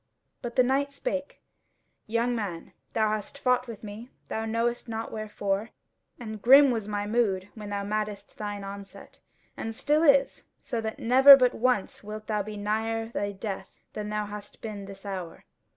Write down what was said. But the knight spake: "Young man, thou hast fought with me, thou knowest not wherefore, and grim was my mood when thou madest thine onset, and still is, so that never but once wilt thou be nigher thy death than thou hast been this hour.